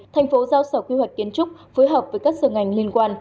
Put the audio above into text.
thành phố giao sở quy hoạch kiến trúc phối hợp với các sở ngành liên quan